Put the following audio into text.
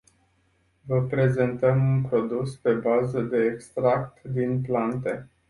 Vă prezentăm un produs pe bază de extracte din plante.